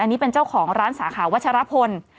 อันนี้เป็นเจ้าของร้านสาขาวัชรพล